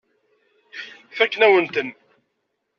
Fakken-awen-ten.